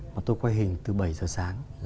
mà tôi quay hình từ bảy h sáng